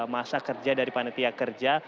masa kerja dari panitia kerja